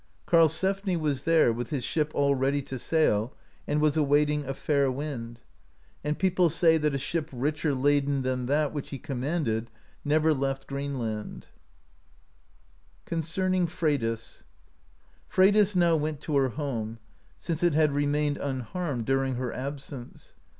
Karlsefni was there, with his ship all ready to sail, and was awaiting a fair wind; and peo ple say that a ship richer laden tlian that which he com manded never left Greenland, CONCERNING f'REYDIS. Freydis now went to her home, since it had remained unharmed during her absence.